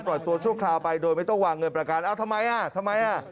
ปล่อยตัวช่วงคราวไปโดยไม่ต้องวางเงินประการทำไมอ่ะทำไมอ่ะ